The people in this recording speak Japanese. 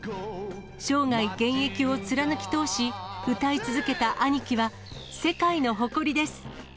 生涯現役を貫き通し、歌い続けたアニキは、世界の誇りです。